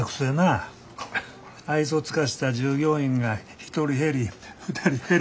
愛想尽かした従業員が１人減り２人減り。